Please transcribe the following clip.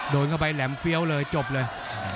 โดนเข้าไปแหลมเฟี้ยวเลยจบเลย